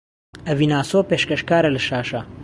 ئەڤین ئاسۆ پێشکەشکارە لە شاشە